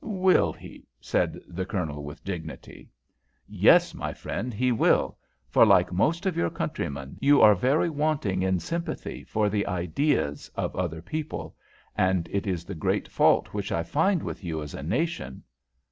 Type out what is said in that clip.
"Will he?" said the Colonel, with dignity. "Yes, my friend, he will, for like most of your countrymen, you are very wanting in sympathy for the ideas of other people, and it is the great fault which I find with you as a nation."